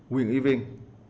quyền y viên